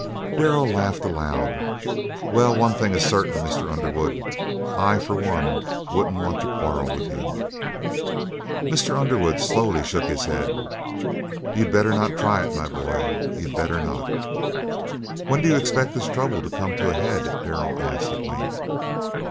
Darrell laughed aloud. "Well, one thing is certain, Mr. Underwood; I, for one, wouldn't want to quarrel with you!" Mr. Underwood slowly shook his head. "You'd better not try it, my boy; you'd better not!" "When do you expect this trouble to come to a head?" Darrell asked at length.